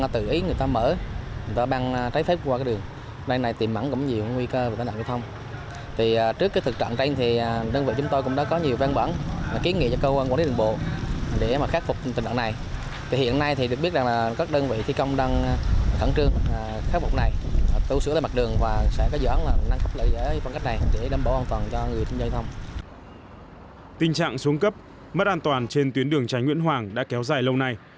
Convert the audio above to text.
tuyến đường nguyễn hoàng bị xuống cấp mất an toàn trên tuyến đường trái nguyễn hoàng đã kéo dài lâu nay